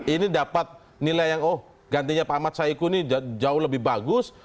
ini dapat nilai yang oh gantinya pak ahmad saiku ini jauh lebih bagus